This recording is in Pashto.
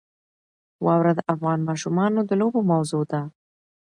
واوره د افغان ماشومانو د لوبو موضوع ده.